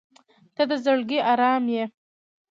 • ته د زړګي ارام یې.